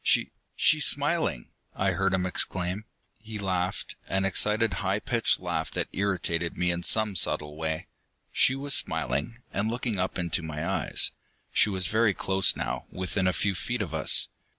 "She she's smiling!" I heard him exclaim. He laughed, an excited, high pitched laugh that irritated me in some subtle way. She was smiling, and looking up into my eyes. She was very close now, within a few feet of us.